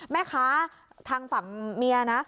แม่ค้าทางฝั่งเมียนะ